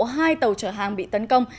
hai tàu trở hàng bị tấn công